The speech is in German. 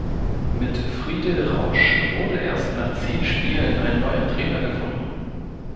Mit Friedel Rausch wurde erst nach zehn Spielen ein neuer Trainer gefunden.